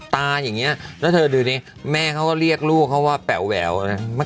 ตาอย่างเงี้ยนะเธอดูให้แม่เขาเรียกลัวเค้าว่าแบ๋วแววนะแม่